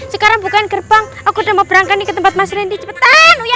sekarang bukaan gerbang aku udah mau berangkani ke tempat mas rendy cepetan uya